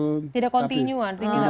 tidak kontinu artinya kan